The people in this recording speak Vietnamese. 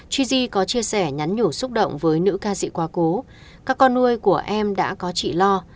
các con nuôi của em đã có chị lo